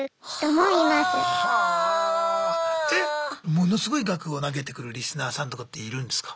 ものすごい額を投げてくるリスナーさんとかっているんですか？